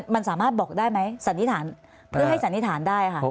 มันสามารถบอกได้ไหมสันนิษฐานเพื่อให้สันนิษฐานได้ค่ะ